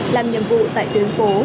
làm nhiệm vụ tại tuyến phố